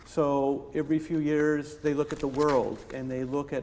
jadi setiap beberapa tahun mereka melihat